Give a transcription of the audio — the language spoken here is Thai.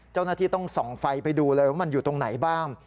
เจ้าหน้าที่ต้องส่องไฟไปดูเลยว่ามันอยู่ตรงไหนบ้าง